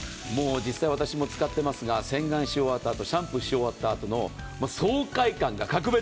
実際私も使っていますが洗顔し終わったあと、シャンプーし終わったあとの爽快感が格別！